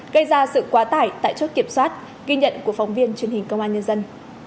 gây ra sự quá tải tại chốt kiểm soát ghi nhận của phóng viên truyền hình công an nhân dân